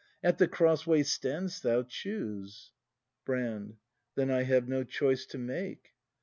At the cross way stand'st thou: choose! Brand. Then I have no choice to make.